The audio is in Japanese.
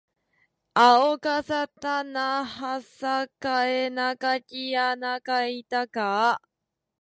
あおかさたなはさかえなかきあなかいたかあ